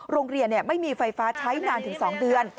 โรงเรียนไม่มีไฟฟ้าใช้นานถึง๒เดือน